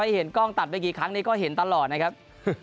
เห็นกล้องตัดไปกี่ครั้งนี้ก็เห็นตลอดนะครับ